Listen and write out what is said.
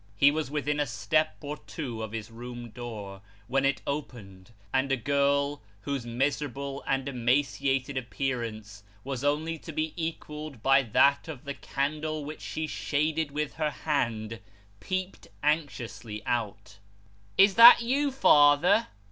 He was within a step or two of his room door, when it opened, and a girl, whose miserable and emaciated appearance was only to be equalled by that of the candle which she shaded with her hand, peeped anxiously out. " Is that you, father